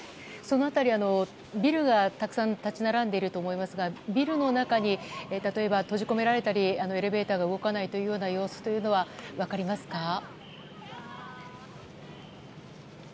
その辺りビルがたくさん立ち並んでいると思いますがビルの中に例えば閉じ込められたりエレベーターが動かない様子はありますか？